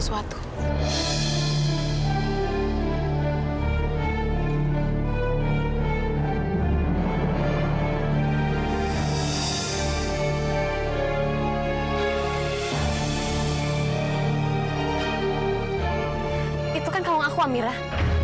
buat aku dan juga amirah